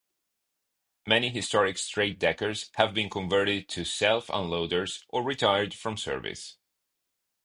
Many historic straight deckers have been converted to self-unloaders or retired from service.